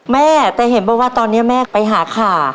แม่แต่เห็นบอกว่าตอนนี้แม่ไปหาขา